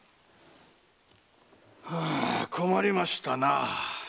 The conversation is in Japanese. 困りましたな。